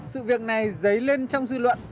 sự việc này dấy lên trong dư luận